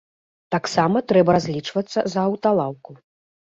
Таксама трэба разлічвацца за аўталаўку.